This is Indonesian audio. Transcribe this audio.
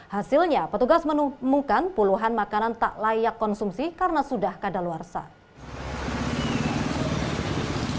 hasilnya petugas menemukan puluhan makanan tak layak konsumsi karena sudah keadaan luar sah